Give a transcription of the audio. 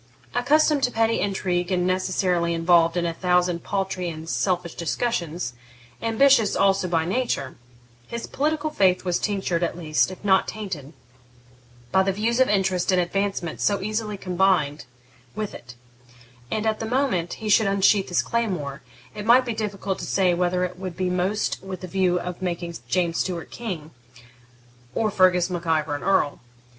Accustomed to petty intrigue, and necessarily involved in a thousand paltry and selfish discussions, ambitious also by nature, his political faith was tinctured, at least, if not tainted, by the views of interest and advancement so easily combined with it; and at the moment he should unsheathe his claymore, it might be difficult to say whether it would be most with the view of making James Stuart a king or Fergus Mac Ivor an earl.